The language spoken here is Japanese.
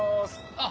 あっ。